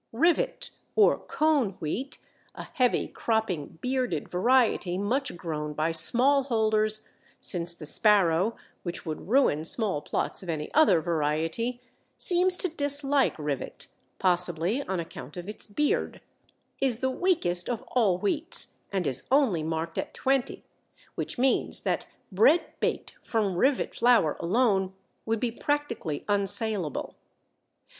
Rivet or cone wheat, a heavy cropping bearded variety much grown by small holders, since the sparrow, which would ruin small plots of any other variety, seems to dislike Rivet, possibly on account of its beard, is the weakest of all wheats, and is only marked at 20, which means that bread baked from Rivet flour alone would be practically unsaleable.